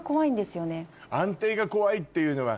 安定が怖いっていうのは。